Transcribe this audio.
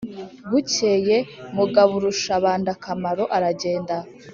bukeye mugaburushabandakamaro a ragenda